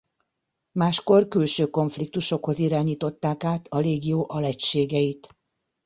Máskor külső konfliktusokhoz irányították át a légió alegységeit.